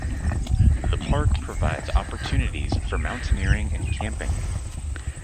The park provides opportunities for mountaineering and camping.